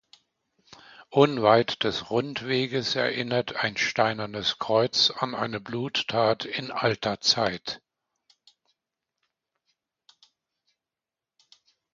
Unweit des Rundweges erinnert ein Steinernes Kreuz an eine Bluttat in alter Zeit.